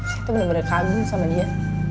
saya tuh bener bener kagum sama dia